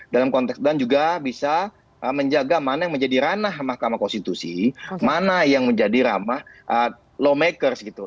dalam konteks dan juga bisa menjaga mana yang menjadi ranah mahkamah konstitusi mana yang menjadi ramah law makers gitu